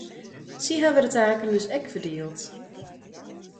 Sy hawwe de taken dus ek ferdield.